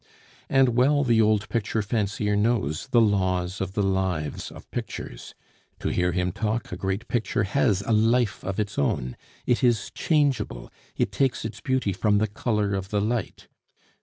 And well the old picture fancier knows the laws of the lives of pictures. To hear him talk, a great picture has a life of its own; it is changeable, it takes its beauty from the color of the light.